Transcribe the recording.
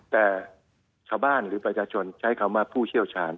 แต่ชาวบ้านหรือประชาชนใช้คำว่าผู้เชี่ยวชาญ